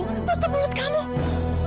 tutup mulut kamu